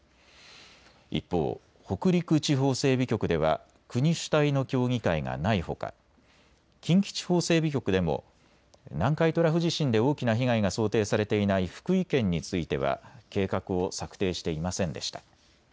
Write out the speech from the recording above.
一方、北陸地方整備局では国主体の協議会がないほか近畿地方整備局でも南海トラフ地震で大きな被害が想定されていない福井県については計画を策定していませんでした。